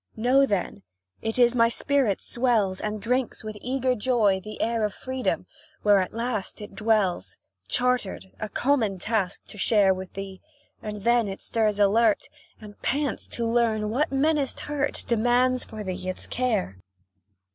Know, then it is my spirit swells, And drinks, with eager joy, the air Of freedom where at last it dwells, Chartered, a common task to share With thee, and then it stirs alert, And pants to learn what menaced hurt Demands for thee its care.